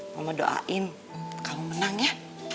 mama doain kamu menang ya